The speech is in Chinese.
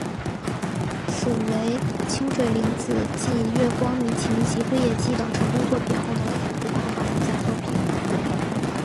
此为清水玲子继月光迷情及辉夜姬等成功作品后的另一部科幻连载作品。